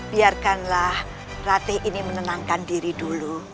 biarkanlah ratih ini menenangkan diri dulu